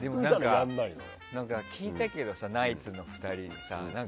聞いたけどさナイツの２人にさ。